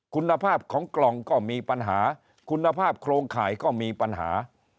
คุณภาพของกล่องก็มีปัญหาคุณภาพโครงข่ายก็มีปัญหา